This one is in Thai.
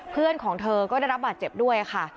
เพื่อนของเธอก็ได้รับบาดเจ็บด้วยค่ะ